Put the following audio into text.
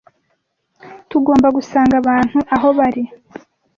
tugomba gusanga abantu aho bari